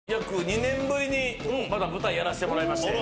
約２年ぶりにまた舞台やらしてもらいまして。